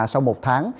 sau một tháng